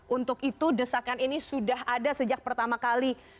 untuk itu desakan ini sudah ada sejak pertama kali